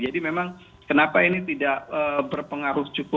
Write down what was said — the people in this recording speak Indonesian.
jadi memang kenapa ini tidak berpengaruh cukup